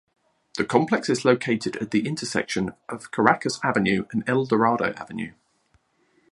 The complex is located at the intersection of Caracas Avenue and El Dorado Avenue.